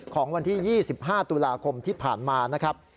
ของวันที่๒๕ตุลาคมที่ผ่านมานะครับ